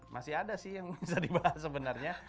masih ada sih yang bisa dibahas sebenarnya